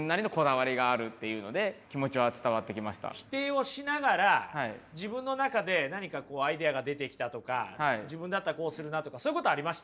それこそ否定をしながら自分の中で何かアイデアが出てきたとか自分だったらこうするなとかそういうことありました？